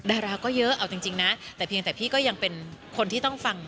ดาราก็เยอะเอาจริงนะแต่เพียงแต่พี่ก็ยังเป็นคนที่ต้องฟัง